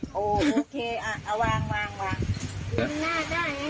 พี่ไม่เอาพี่เอา๒ถุงซีซี